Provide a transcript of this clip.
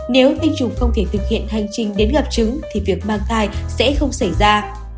nếu tinh trùng không thể thực hiện hành trình đến gặp trứng thì việc mang thai sẽ không xảy ra